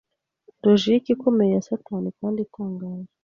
logike ikomeye ya Satani kandi itangaje